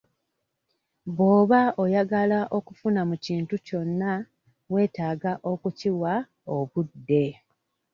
Bw'oba oyagala okufuna mu kintu kyonna weetaaga okukiwa obudde.